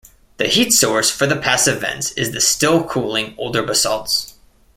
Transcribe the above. The heat source for the passive vents is the still-cooling older basalts.